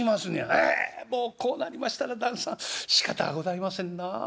「ああもうこうなりましたら旦さんしかたがございませんなあ。